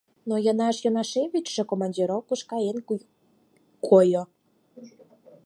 — Но Йынаш Йынашевичше командировкыш каен гойо.